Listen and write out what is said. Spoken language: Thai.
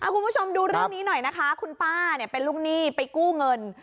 คุณผู้ชมดูเรื่องนี้หน่อยนะคะคุณป้าเป็นลูกหนี้ไปกู้เงิน